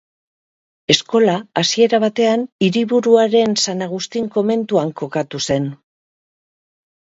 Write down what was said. Eskola hasiera batean hiriburuaren San Agustin komentuan kokatu zen.